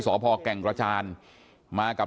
พ่อแก่งกระจานมากับ